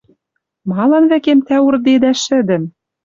Малын вӹкем тӓ урдедӓ шӹдӹм